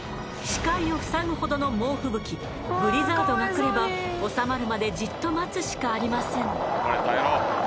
視界を塞ぐほどの猛吹雪ブリザードが来れば収まるまでじっと待つしかありません。